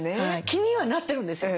気にはなってるんですよ。